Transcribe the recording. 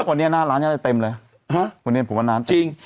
วันนี้หน้าร้านจะได้เต็มเลยฮะวันนี้ผมว่าน้ำจริง